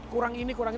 kurang ini kurang itu